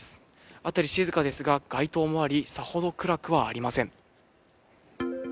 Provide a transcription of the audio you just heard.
辺りは静かですが、街灯もあり、さほど暗くはありません。